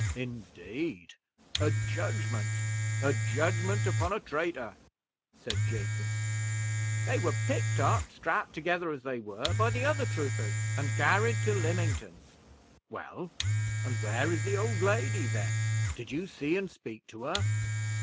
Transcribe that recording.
"Indeed! A judgment a judgment upon a traitor," said Jacob. "They were picked up, strapped together as they were, by the other troopers, and carried to Lymington." "Well, and where is the old lady, then? Did you see and speak to her?"